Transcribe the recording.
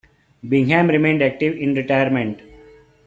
Bingham remained active in retirement.